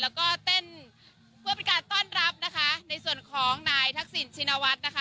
แล้วก็เต้นเพื่อเป็นการต้อนรับนะคะในส่วนของนายทักษิณชินวัฒน์นะคะ